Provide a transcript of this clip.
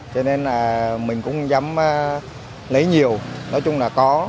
cho nên là mình cũng dám lấy nhiều nói chung là có